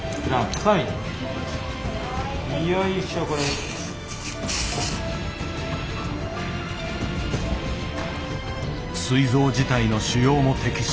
すい臓自体の腫瘍も摘出。